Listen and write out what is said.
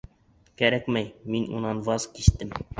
— Кәрәкмәй, мин унан ваз кистем.